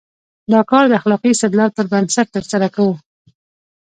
دا کار د اخلاقي استدلال پر بنسټ ترسره کوو.